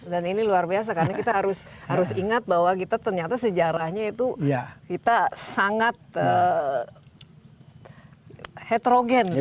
dan ini luar biasa karena kita harus ingat bahwa kita ternyata sejarahnya itu kita sangat heterogen ya